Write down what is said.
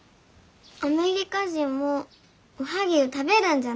アメリカ人もおはぎゅう食べるんじゃなあ。